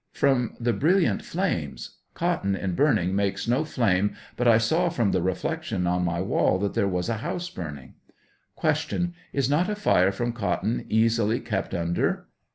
From the brilliant flames ; cotton in burning makes no flame, but I saw from the reflection on my wall that there was a house burning. Q. Is not a fire from cotton easily kept under?